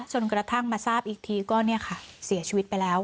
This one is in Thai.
จนกระทั่งมาทราบอีกทีก็เสียชีวิตไปแล้ว